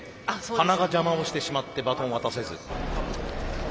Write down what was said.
鼻が邪魔をしてしまってバトンを渡せず。